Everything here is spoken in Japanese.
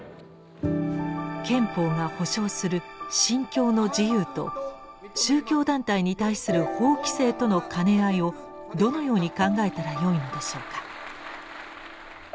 憲法が保障する「信教の自由」と宗教団体に対する法規制との兼ね合いをどのように考えたらよいのでしょうか？